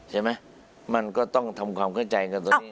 ใช่ไหมมันก็ต้องทำความเข้าใจกันตรงนี้